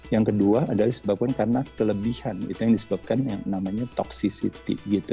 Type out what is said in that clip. yang kedua adalah disebabkan karena kelebihan itu yang disebabkan yang namanya toxicity gitu